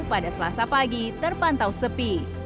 pada selasa pagi terpantau sepi